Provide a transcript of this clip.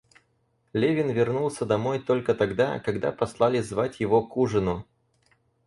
Левин вернулся домой только тогда, когда послали звать его к ужину.